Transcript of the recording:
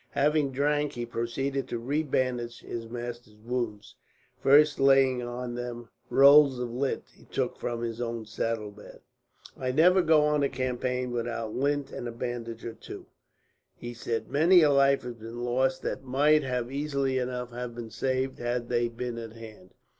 Having drank, he proceeded to rebandage his master's wounds, first laying on them rolls of lint he took from his own saddlebag. "I never go on a campaign without lint and a bandage or two," he said. "Many a life has been lost that might easily enough have been saved, had they been at hand."